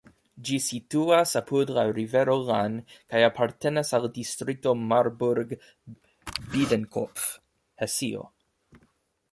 Ĝi situas apud la rivero Lahn kaj apartenas al distrikto Marburg-Biedenkopf, Hesio.